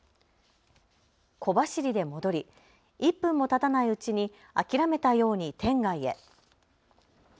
小走りで戻り１分もたたないうちに諦めたように店外へ。